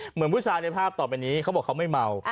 เหมือนผู้ชายในภาพต่อไปนี้เขาบอกเขาไม่เมา